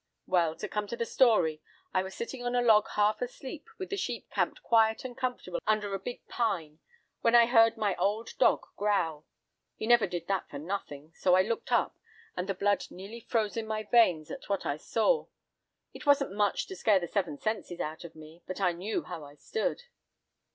Well, to come to the story, I was sitting on a log half asleep with the sheep camped quiet and comfortable under a big pine, when I heard my old dog growl. He never did that for nothing, so I looked up, and the blood nearly froze in my veins at what I saw. It wasn't much to scare the seven senses out of me, but I knew how I stood.